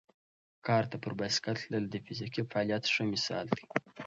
کارته پر بایسکل تلل د فزیکي فعالیت ښه مثال دی.